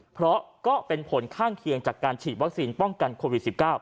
เพราะก็เป็นผลข้างเคียงจากการฉีดวัคซีนป้องกันโควิด๑๙